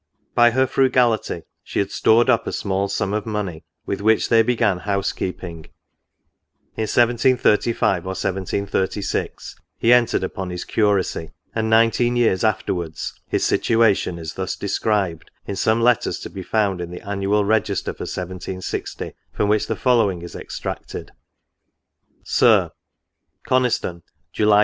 By her frugality she had stored up a small sum of money, with which they began housekeeping. In 1735 or 1736, he entered upon his curacy ; and, nineteen years afterwards, his situation is thus described, in some letters to be found in the Annual Register for 1760, from which the following is extracted : To Mr. —